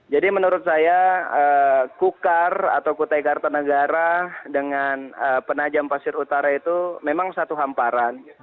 jadi menurut saya kukar atau kutai kertanegara dengan penajam pasir utara itu memang satu hamparan